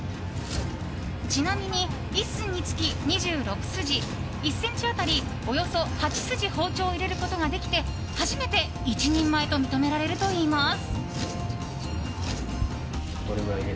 ちなみに、１寸につき２６筋１ｃｍ当たりおよそ８筋包丁を入れることができて初めて一人前と認められるといいます。